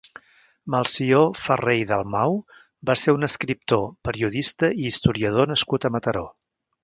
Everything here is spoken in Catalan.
Melcior Ferrer i Dalmau va ser un escriptor, periodista i historiador nascut a Mataró.